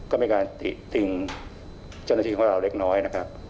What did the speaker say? ก็มีการติงเจ้าหน้าที่ของเราเล็กน้อยนะครับ